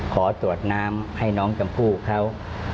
ขอตรวจน้ำให้น้องชมพู่เขา